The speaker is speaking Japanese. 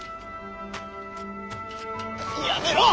やめろ！